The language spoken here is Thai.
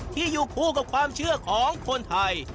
ที่อยู่คู่กับความเชื่อของคนไทย